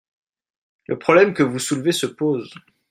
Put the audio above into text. Le problème que vous soulevez se pose.